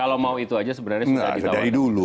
kalau mau itu aja sebenarnya sudah ditawarkan